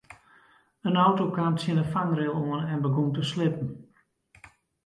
In auto kaam tsjin de fangrail oan en begûn te slippen.